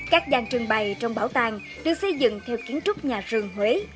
các gian trưng bày trong bảo tàng được xây dựng theo kiến trúc nhà rường huế